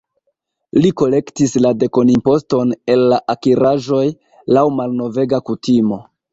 Li kolektis la dekonimposton el la akiraĵoj, laŭ malnovega kutimo.